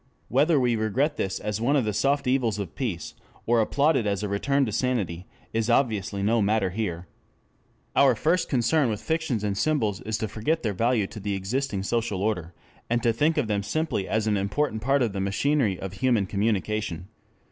Whether we regret this as one of the soft evils of peace or applaud it as a return to sanity is obviously no matter here. Our first concern with fictions and symbols is to forget their value to the existing social order, and to think of them simply as an important part of the machinery of human communication.